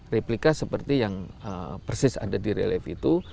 replika seperti yang persis ada di relief itu